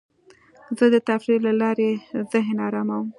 زه د تفریح له لارې ذهن اراموم.